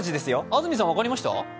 安住さん、分かりました？